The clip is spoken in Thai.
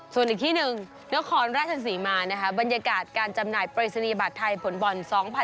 ส่วนอีกที่หนึ่งนครราชศรีมานะคะบรรยากาศการจำหน่ายปริศนียบัตรไทยผลบอล๒๐๑๖